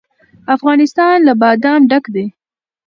افغانستان له بادام ډک دی.